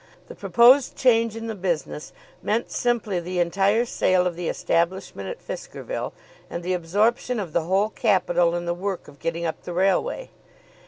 The proposed change in the business meant simply the entire sale of the establishment at Fiskerville, and the absorption of the whole capital in the work of getting up the railway.